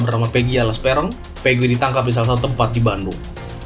bernama peggy alas peron peggy ditangkap di salah satu tempat di bandung